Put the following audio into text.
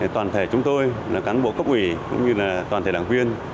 toàn thể chúng tôi cán bộ cấp ủy cũng như toàn thể đảng viên